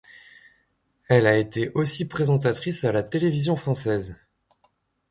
Elle a été aussi présentatrice à la télévision française.